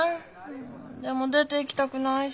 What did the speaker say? でも出ていきたくないし。